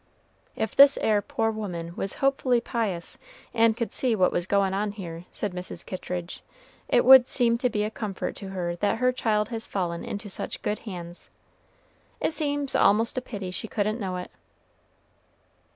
"If this 'ere poor woman was hopefully pious, and could see what was goin' on here," said Mrs. Kittridge, "it would seem to be a comfort to her that her child has fallen into such good hands. It seems a'most a pity she couldn't know it."